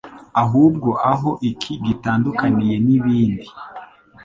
ahubwo aho iki gitandukaniye n'ibindi